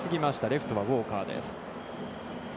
レフトのウォーカーです。